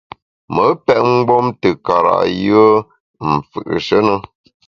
Me pèt mgbom te kara’ yùe m’ fù’she ne.